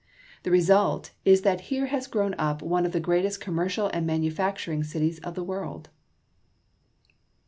The result is that here has grown up one of the greatest commercial and manufacturing cities of the world.